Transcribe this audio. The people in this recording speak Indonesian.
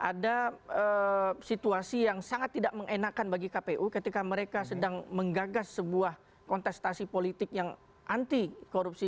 ada situasi yang sangat tidak mengenakan bagi kpu ketika mereka sedang menggagas sebuah kontestasi politik yang anti korupsi